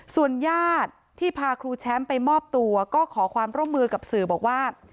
ส่วนญาติที่พาครูแชมป์ไปมอบตัวก็ขอความร่วมมือกับสื่อบอกว่า